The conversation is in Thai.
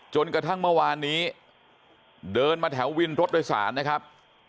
จนกระทั่งเมื่อวานนี้เดินมาแถววินรถโดยสารนะครับ